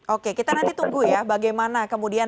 oke kita nanti tunggu ya bagaimana kemudian